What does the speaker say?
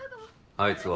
あいつは。